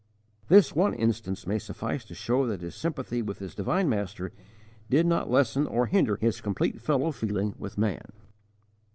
This one instance may suffice to show that his sympathy with his divine Master did not lessen or hinder his complete fellow feeling with man.